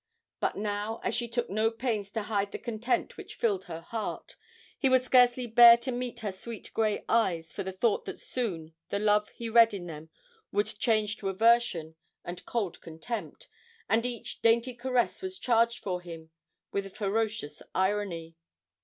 But now, as she took no pains to hide the content which filled her heart, he would scarcely bear to meet her sweet grey eyes for the thought that soon the love he read in them would change to aversion and cold contempt, and each dainty caress was charged for him with a ferocious irony.